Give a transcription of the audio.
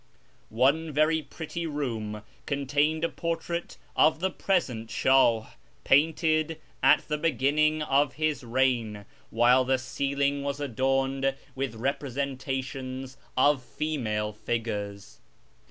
One very pretty room contained a por trait of the present Shah, painted at the beginning of his reign, while the ceiling w^as adorned with representations of female figures.